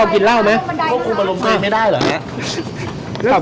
อาจจะพูดอะไรกับลูกไหมขอโทษครับ